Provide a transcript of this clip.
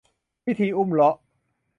พิธีอุมเราะห์